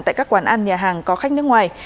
tại các quán ăn nhà hàng có khách nước ngoài